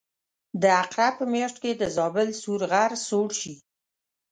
د عقرب په میاشت کې د زابل سور غر سوړ شي.